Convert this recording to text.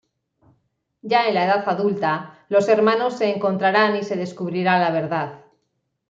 Ya en la edad adulta los hermanos se encontrarán y se descubrirá la verdad.